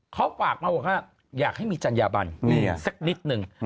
เขาฝากมาบอกว่าอยากให้มีจัญญาบันสักนิดนึง